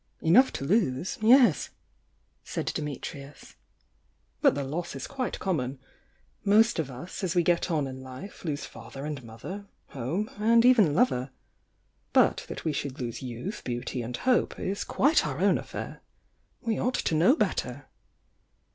"Enough to lose — yes!" said Dimitrius. "But the loss is quite common. Most of us, as we get on in life, lose father and mother, home, and even lover! — but that we should lose youth, beauty and hope is quite our own affair! We ought to know better!"